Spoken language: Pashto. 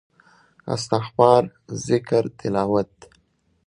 استغفار ذکر تلاوت